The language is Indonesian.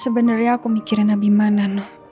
sebenernya aku mikirin abimana